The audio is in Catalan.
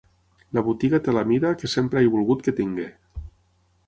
La botiga té la mida que sempre he volgut que tingui.